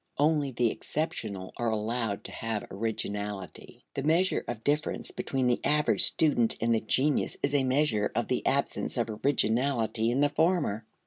Only the exceptional are allowed to have originality. The measure of difference between the average student and the genius is a measure of the absence of originality in the former.